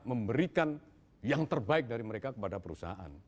memberikan yang terbaik dari mereka kepada perusahaan